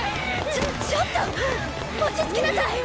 ちょちょっと落ち着きなさい！